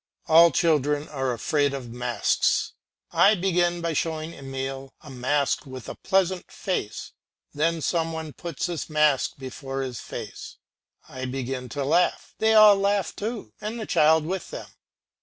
All children are afraid of masks. I begin by showing Emile a mask with a pleasant face, then some one puts this mask before his face; I begin to laugh, they all laugh too, and the child with them.